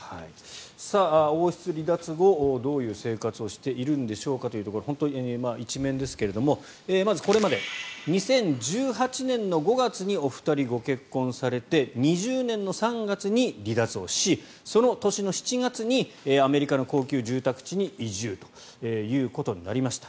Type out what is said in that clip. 王室離脱後どういう生活をしているんでしょうかというところで本当、一面ですがこれまで、２０１８年の５月にお二人、ご結婚されて２０年の３月に離脱をしその年の７月にアメリカの高級住宅地に移住ということになりました。